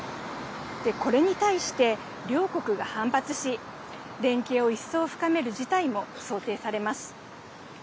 これに対して両国が反発し、連携を一層深める事態も想定されます。